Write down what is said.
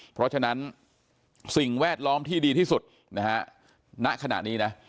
เพราะฉะนั้นสิ่งแวดล้อมที่ดีที่สุดนะฮะณขณะนี้นะ